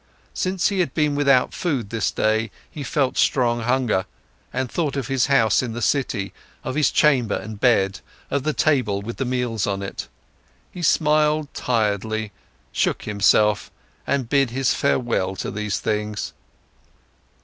Since he had been without food this day, he felt strong hunger, and thought of his house in the city, of his chamber and bed, of the table with the meals on it. He smiled tiredly, shook himself, and bid his farewell to these things.